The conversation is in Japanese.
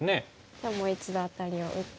じゃあもう一度アタリを打って。